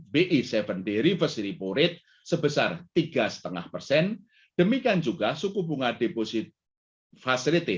bi tujuh day reversi repo rate sebesar tiga lima persen demikian juga suku bunga deposit facility